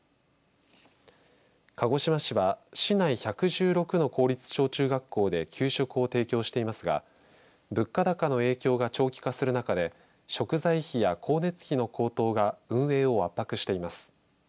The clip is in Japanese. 鹿児島市は市内１１６の公立小中学校で給食を提供していますが物価高の影響が長期化する中で食材費や光熱費の高騰が運営を圧迫しています。